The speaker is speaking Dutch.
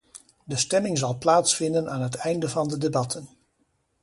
De stemming zal plaatsvinden aan het einde van de debatten.